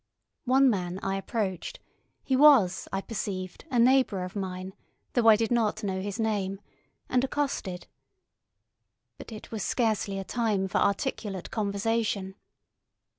One man I approached—he was, I perceived, a neighbour of mine, though I did not know his name—and accosted. But it was scarcely a time for articulate conversation.